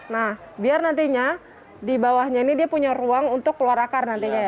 nah biar nantinya di bawahnya ini dia punya ruang untuk keluar akar nantinya ya